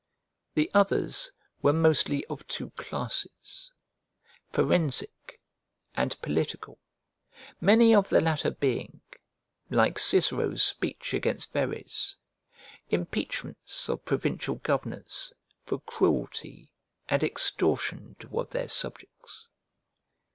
The others were mostly of two classes, forensic and political, many of the latter being, like Cicero's speech against Verres, impeachments of provincial governors for cruelty and extortion toward their subjects.